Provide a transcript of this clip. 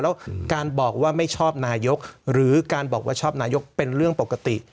แล้วการบอกว่าไม่ชอบนายกหรือการบอกว่าชอบนายกเป็นเรื่องปกติ